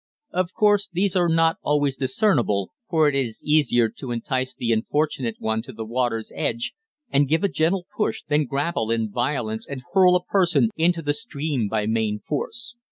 Of course, these are not always discernible, for it is easier to entice the unfortunate one to the water's edge and give a gentle push than grapple in violence and hurl a person into the stream by main force.